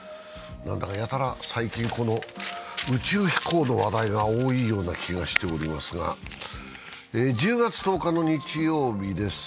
やたら最近、宇宙飛行の話題が多いような気がしておりますが１０月１０日の日曜日です。